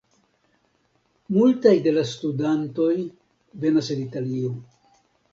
Multaj de la studantoj venas el Italio.